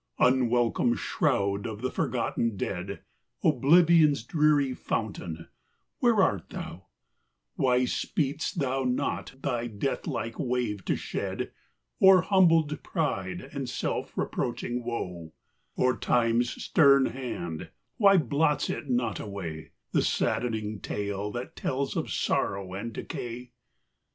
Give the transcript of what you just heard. I. UNWELCOME shroud of the forgotten dead, Oblivion's dreary fountain, where art thou : Why speed'st thou not thy deathlike wave to shed O'er humbled pride, and self reproaching woe : Or time's stern hand, why blots it not away The saddening tale that tells of sorrow and decay